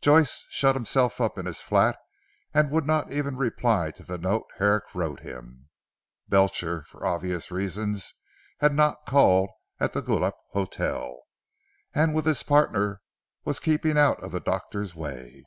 Joyce shut himself up in his flat, and would not even reply to the note Herrick wrote him. Belcher for obvious reasons had not called at the Guelph Hotel, and with his partner was keeping out of the doctor's way.